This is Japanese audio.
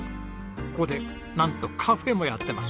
ここでなんとカフェもやってます。